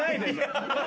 ハハハハ！